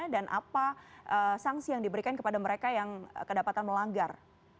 dan apa sanksi yang diberikan kepada mereka yang kedapatan melanggar